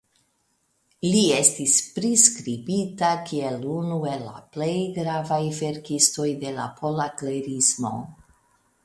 Li estis priskribita kiel unu el la plej gravaj verkistoj de la Pola Klerismo.